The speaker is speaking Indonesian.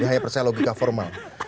dia hanya percaya logika formal